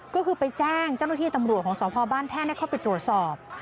ก็คือไปแจ้งเจ้าหน้าที่ตำรวจของสอบพอบ้านแท่ในข้อปิดโรศัพท์